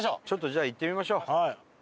じゃあ行ってみましょう。